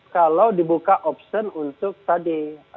kalau dibuka opsi untuk tadi